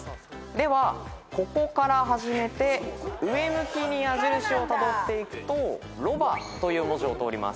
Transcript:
ではここから始めて上向きに矢印をたどっていくとロバという文字を通ります。